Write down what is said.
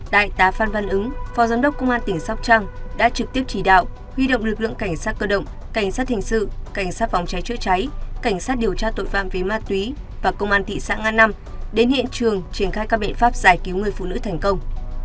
đại tá phan văn ứng phó giám đốc công an tỉnh sóc trăng đã trực tiếp chỉ đạo huy động lực lượng cảnh sát cơ động cảnh sát hình sự cảnh sát phòng cháy chữa cháy cảnh sát điều tra tội phạm về ma túy và công an thị xã nga năm đến hiện trường triển khai các biện pháp giải cứu người phụ nữ thành công